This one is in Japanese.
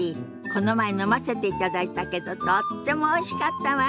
この前飲ませていただいたけどとってもおいしかったわ。